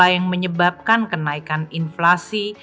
yang menyebabkan kenaikan inflasi